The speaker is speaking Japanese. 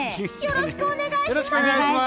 よろしくお願いします！